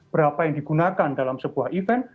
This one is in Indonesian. berapa yang digunakan dalam sebuah event